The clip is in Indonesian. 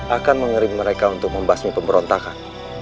akan mengerim mereka untuk membasmi pemberontakan